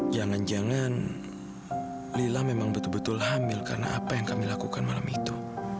jangan jangan lila memang betul betul hamil karena apa yang kami lakukan malam itu